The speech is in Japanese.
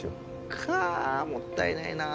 かぁもったいないなぁ。